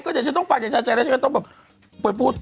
ก็ฉันไม่รู้ไงก็เดี๋ยวฉันต้องฝันฉันต้องเปิดพูด